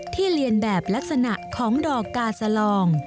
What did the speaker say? เรียนแบบลักษณะของดอกกาสลอง